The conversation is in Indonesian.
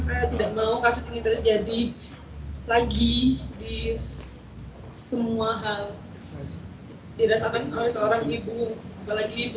saya tidak mau kasus ini terjadi lagi di semua hal dirasakan oleh seorang ibu apalagi ibu